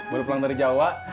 baru pulang dari jawa